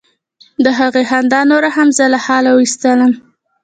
د هغې خندا نوره هم زه له حاله ویستلم.